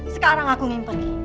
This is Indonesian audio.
sekarang aku ingin pergi